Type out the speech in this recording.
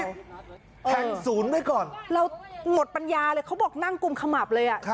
แผ่นศูนย์ไว้ก่อนเราหมดปัญญาเลยเขาบอกนั่งกุมขมับเลยอ่ะ